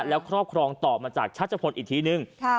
แล้วครอบครองต่อมาจากชัชพลอีกทีนึง